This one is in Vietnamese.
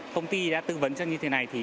công ty đã tư vấn cho như thế này